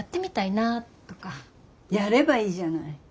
やればいいじゃない。